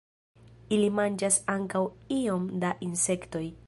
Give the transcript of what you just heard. Ili manĝas ankaŭ iom da insektoj.